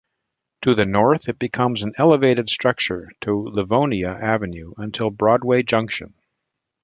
To the north, it becomes an elevated structure to Livonia Avenue until Broadway Junction.